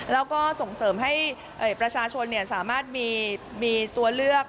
แล้วก็ส่งเสริมให้ประชาชนสามารถมีตัวเลือก